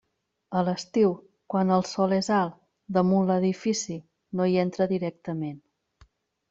A l'estiu, quan el sol és alt, damunt l'edifici, no hi entra directament.